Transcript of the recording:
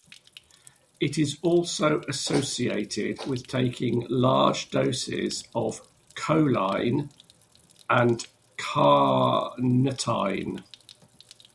It is also associated with taking large doses of choline and carnitine.